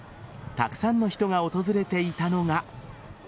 たくさんの人が訪れていたのが。